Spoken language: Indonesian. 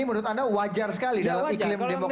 menurut anda wajar sekali dalam iklim demokrasi